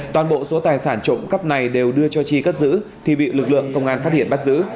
toàn bộ số tài sản trộm cắp này đều đưa cho chi cất giữ thì bị lực lượng công an phát hiện bắt giữ